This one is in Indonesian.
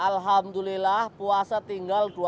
alhamdulillah puasa tinggal dua puluh sembilan hari lagi